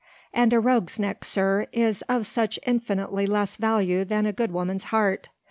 "And a rogue's neck, sir, is of such infinitely less value than a good woman's heart.